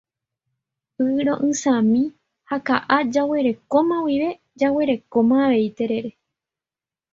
Y ro'ysãmi ha ka'a jaguerekóma guive jaguerekóma avei terere.